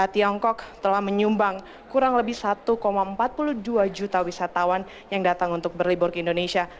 tiongkok telah menyumbang kurang lebih satu empat puluh dua juta wisatawan yang datang untuk berlibur ke indonesia